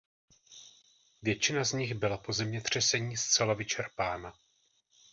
Většina z nich byla po zemětřesení zcela vyčerpána.